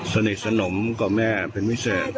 สนิทสนมกับแม่เป็นพิเศษ